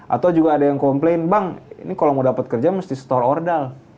atau juga ada yang komplain bang ini kalau mau dapat kerja mesti store ordel